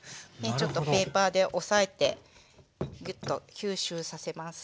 ちょっとペーパーで押さえてギュッと吸収させます。